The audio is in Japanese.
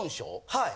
はい。